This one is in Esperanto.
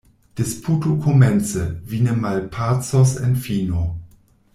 Disputu komence — vi ne malpacos en fino.